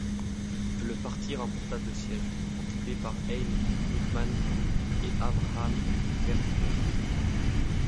Le parti remporta deux sièges, occupés par Haim Drukman et Avraham Verdiger.